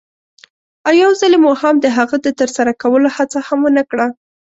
او یوځلې مو هم د هغه د ترسره کولو هڅه هم ونه کړه.